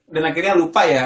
dan akhirnya lupa ya